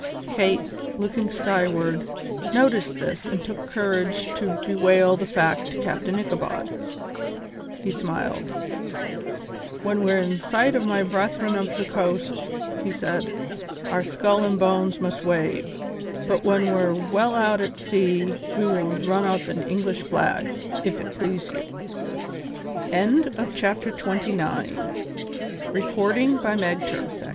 Kate, looking skyward, noticed this and took courage to bewail the fact to Captain Ichabod. He smiled. "While we're in sight of my Brethren of the Coast," he said, "our skull and bones must wave, but when we're well out at sea we will run up an English flag, if it please you." CHAPTER XXX DAME CHARTER MAKES A FRIEND Captain Ichabod was in high feather.